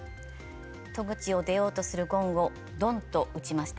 「戸口を出ようとするごんをドンとうちました。